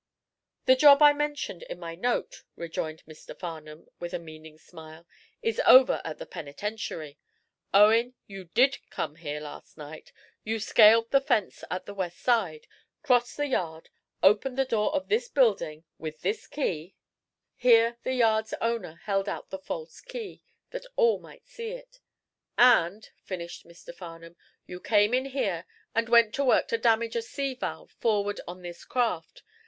"The job I mentioned in my note," rejoined Mr. Farnum, with a meaning smile, "is over at the penitentiary. Owen, you did come here last night. You scaled the fence at the west side, crossed the yard, opened the door of this building with this key " Here the yard's owner held out the false key, that all might see it. " and," finished Mr. Farnum, "you came in here and went to work to damage a sea valve forward on this craft.